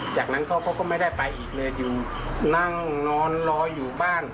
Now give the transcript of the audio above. จากนั้นเขาก็ไม่ได้ไปอีกเลยอยู่นั่งนอนรออยู่บ้าน